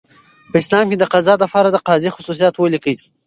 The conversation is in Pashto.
په اسلام کي دقضاء د پاره دقاضي خصوصیات ولیکئ؟